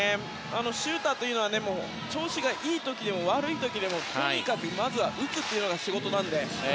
シューターというのは調子がいい時も悪い時でもとにかくまず打つというのが仕事なので。